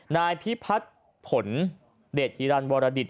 นายพิพัฒน์ผลเดชฮิรันวรดิต